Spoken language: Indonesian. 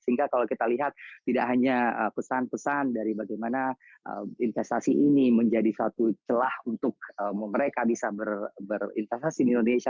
sehingga kalau kita lihat tidak hanya pesan pesan dari bagaimana investasi ini menjadi satu celah untuk mereka bisa berinvestasi di indonesia